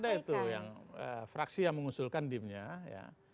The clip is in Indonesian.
sebenarnya ada itu yang fraksi yang mengusulkan dim nya ya